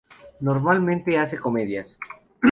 Normalmente hace comedias.